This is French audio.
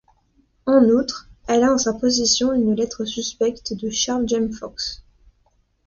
En outre, elle a en sa possession une lettre suspecte de Charles James Fox.